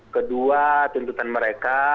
kedua tuntutan mereka